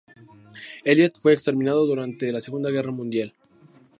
Eliot fue exterminado durante la Segunda Guerra Mundial.